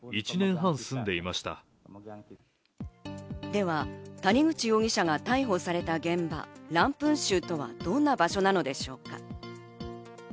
では谷口容疑者が逮捕された現場、ランプン州とはどんな場所なのでしょうか。